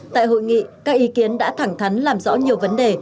tại hội nghị các ý kiến đã thẳng thắn làm rõ nhiều vấn đề